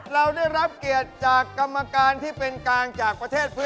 เราได้รับเกียรติจากกรรมการที่เป็นกลางจากประเทศพื้น